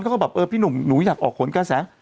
เขาก็แบบเออพี่หนุ่มหนูอยากออกผลกระแส